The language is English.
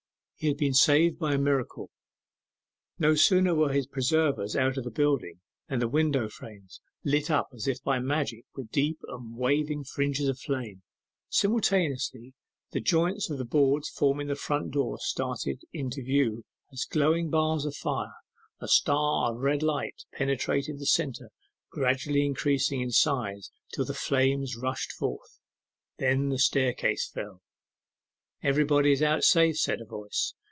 He had been saved by a miracle. No sooner were his preservers out of the building than the window frames lit up as if by magic with deep and waving fringes of flames. Simultaneously, the joints of the boards forming the front door started into view as glowing bars of fire: a star of red light penetrated the centre, gradually increasing in size till the flames rushed forth. Then the staircase fell. 'Everybody is out safe,' said a voice.